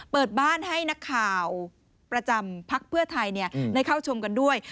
เปิดบ้านให้นักข่าวประจำพักเพื่อไทยได้เข้าชมกันด้วย